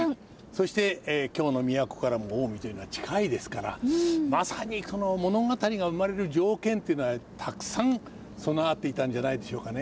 そして京の都からも近江というのは近いですからまさにこの物語が生まれる条件というのはたくさん備わっていたんじゃないでしょうかね。